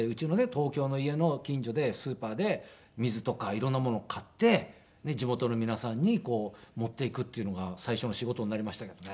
東京の家の近所でスーパーで水とか色んなものを買って地元の皆さんに持っていくっていうのが最初の仕事になりましたけどね。